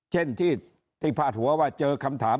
เช่นที่พาดหัวว่าเจอคำถาม